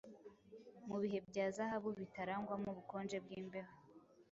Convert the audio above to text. Mubihe bya zahabu, Bitarangwamo ubukonje bwimbeho,